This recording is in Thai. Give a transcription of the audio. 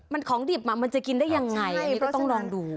มันของดิบมันจะกินได้ยังไงอันนี้ก็ต้องลองดู